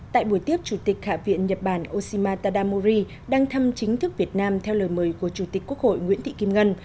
tại buổi tiếp chủ tịch hạ viện nhật bản oshima tadamuri đang thăm chính thức việt nam theo lời mời của chủ tịch quốc hội nguyễn thị kim ngân